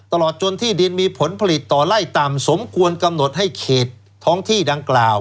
ตลอดจนที่ดินมีผลผลิตต่อไล่ต่ำสมควรกำหนดให้เขตท้องที่ดังกล่าว